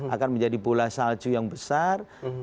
akan menjadi bola salju yang besar